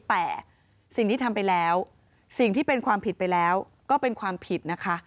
แต่สิ่งที่ทำไปแล้วสิ่งที่เป็นความผิดไปแล้วก็เป็นความผิดนะคะ